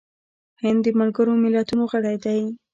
هند د ملګرو ملتونو غړی دی.